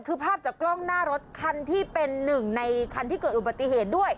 คือภาพจากกล้องหน้ารถคันที่เป็นหนึ่งในคันที่เกิดอุบัติเหตุด้วย